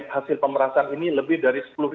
hasil pemerasan ini lebih dari